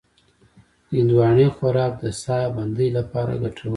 د هندواڼې خوراک د ساه بندۍ لپاره ګټور دی.